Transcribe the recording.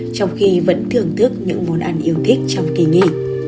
trong khi vẫn thưởng thức những món ăn yêu thích trong kỳ nghỉ